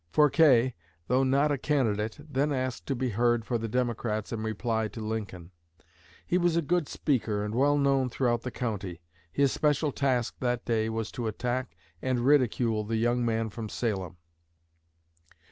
Forquer, though not a candidate, then asked to be heard for the Democrats in reply to Lincoln. He was a good speaker and well known throughout the county. His special task that day was to attack and ridicule the young man from Salem.